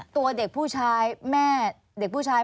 ตัวเด็กผู้ชายแม่เด็กผู้ชาย